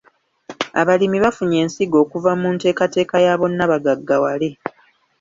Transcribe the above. Abalimi bafunye ensigo okuva mu nteekateeka ya bonna bagaggawale.